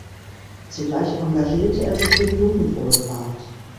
Zugleich engagierte er sich für die Jugendwohlfahrt.